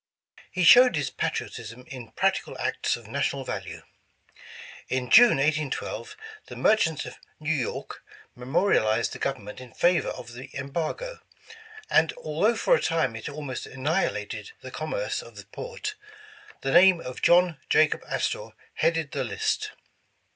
He showed his patriotism in practical acts of national value. "In June, 1812, the merchants of New York memorialized the Government in favor of the embargo, and although for a time it almost annihilated the com merce of the port, the name of John Jacob Astor headed the list."